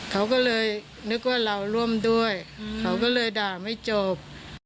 เขาก็เลยนึกว่าเราร่วมด้วยเขาก็เลยด่าไม่จบ